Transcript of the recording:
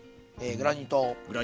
グラニュー糖。